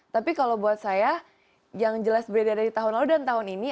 tapi kalau buat saya yang jelas beredar dari tahun lalu dan tahun ini